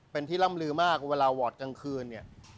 เป็นที่ร่ำลือมากเวลาวอร์ดกลางคืนเนี่ย